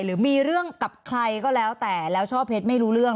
หรือมีเรื่องกับใครก็แล้วแต่แล้วช่อเพชรไม่รู้เรื่อง